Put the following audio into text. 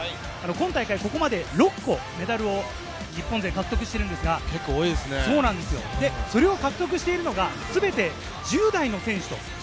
今大会、ここまで６個のメダルを日本勢、獲得しているんですが、それを獲得しているのが全て１０代の選手。